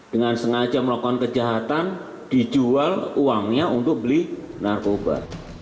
dengan sengaja melakukan kejahatan dijual uangnya untuk beli narkoba